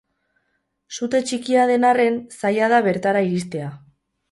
Sute txikia den arren, zaila da bertara iristea.